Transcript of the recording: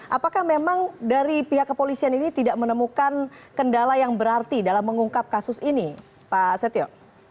apakah memang dari pihak kepolisian ini tidak menemukan kendala yang berarti dalam mengungkap kasus ini pak setio